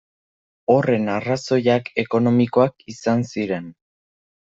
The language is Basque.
Horren arrazoiak ekonomikoak izan ziren.